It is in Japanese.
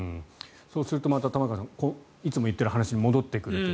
そうするとまた、玉川さんいつも言っている話に戻ってくると。